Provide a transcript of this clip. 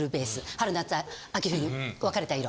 春・夏・秋・冬に分かれた色。